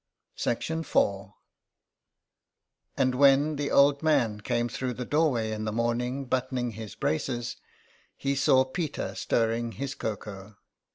IV. And when the old man came through the doorway in the morning buttoning his braces, he saw Peter stirring his cocoa.